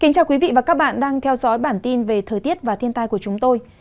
cảm ơn các bạn đã theo dõi và ủng hộ cho bản tin thời tiết và thiên tai của chúng tôi